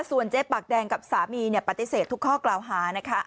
ส่วนเจ๊ปากแดงกับสามีปฏิเสธทุกข้อกล่าวหานะคะ